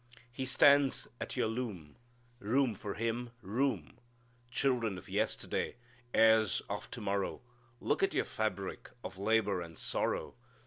He stands at your loom, Room for Him room! "Children of yesterday, Heirs of to morrow, Look at your fabric Of labor and sorrow.